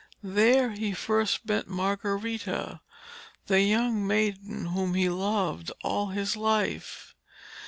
There he first met Margarita, the young maiden whom he loved all his life.